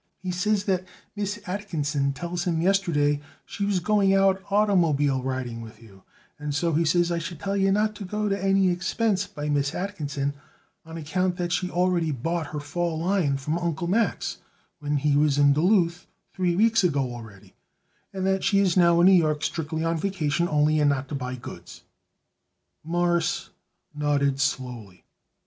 He says that Miss Atkinson tells him yesterday she was going out oitermobile riding with you, and so he says I should tell you not to go to any expense by Miss Atkinson, on account that she already bought her fall line from Uncle Max when he was in Duluth three weeks ago already; and that she is now in New York strictly on her vacation only, and not to buy goods." Morris nodded slowly.